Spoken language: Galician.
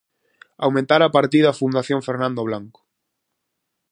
Aumentar a partida a fundación Fernando Blanco.